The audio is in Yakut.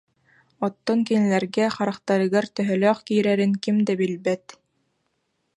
Оттон кинилэргэ харахтарыгар төһөлөөх киирэрин ким да билбэт